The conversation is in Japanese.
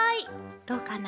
どうかな？